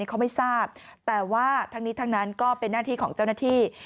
เขาไม่ทราบแต่ว่าทั้งนี้ทั้งนั้นก็เป็นหน้าที่ของเจ้าหน้าที่